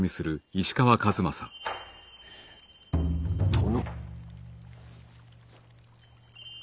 殿。